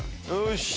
よし！